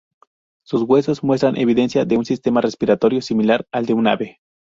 Sus huesos muestran evidencia de un sistema respiratorio similar al de un ave.